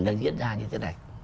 đã diễn ra như thế này